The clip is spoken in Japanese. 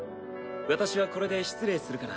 私はこれで失礼するから。